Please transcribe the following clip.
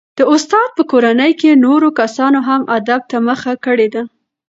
د استاد په کورنۍ کې نورو کسانو هم ادب ته مخه کړې ده.